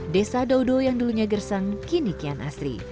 desa dodo yang dulunya gersang kini kian asri